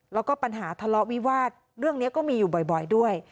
แล้วก็ปัญหาทะเลาะวิวาสเรื่องนี้ก็มีอยู่บ่อยด้วย